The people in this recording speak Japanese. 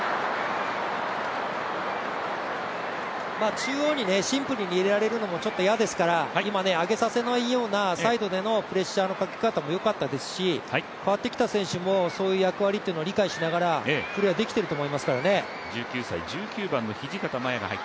中央にシンプルに入れられるのもちょっと嫌ですから、今、上げさせないようなサイドでのプレッシャーのかけ方もよかったですし代わってきた選手もそういう役割を理解しながらプレーできていると思いますからね。